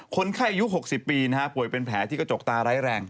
คนไข้ยุคหกสิบปีนะฮะป่วยเป็นแผลที่กระจกตาร้ายแรง